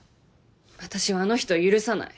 あたしはあの人を許さない。